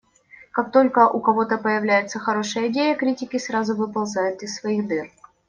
Как только у кого-то появляется хорошая идея, критики сразу выползают из своих дыр.